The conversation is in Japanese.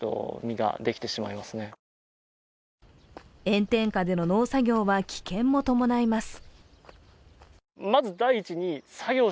炎天下での農作業は危険も伴います。